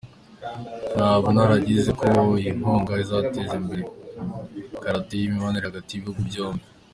Nkaba ntangaje ko iyi nkunga izateza imbere Karate n’imibanire hagati y’ibihugu byombi.